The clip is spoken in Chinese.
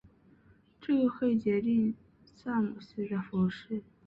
这个会决定萨姆斯的服饰。